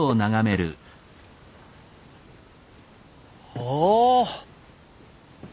おお！